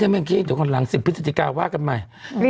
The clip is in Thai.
จดขอร้อง๑๐พฤศจิกาฯว่ากันใหม่